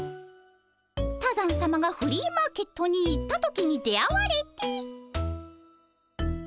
多山さまがフリーマーケットに行った時に出会われて。